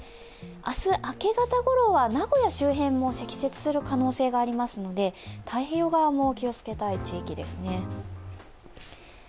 明日、明け方ごろは名古屋周辺も積雪する可能性がありますので太平洋側も気をつけたい地域ですね。